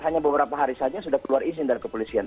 hanya beberapa hari saja sudah keluar izin dari kepolisian